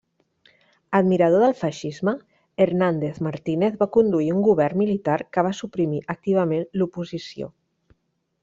Admirador del feixisme, Hernández Martínez va conduir un govern militar que va suprimir activament l'oposició.